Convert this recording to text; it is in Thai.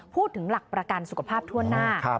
พูดถึงหลักประกันสุขภาพทั่วหน้า